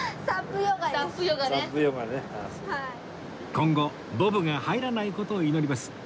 今後「ボブ」が入らない事を祈ります